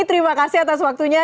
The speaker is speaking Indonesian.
terima kasih atas waktunya